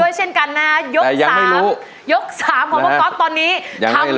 ครับผมเช่นกันนะยกสามแต่ยังไม่รู้ยกสามของประกอบตอนนี้ยังไม่รู้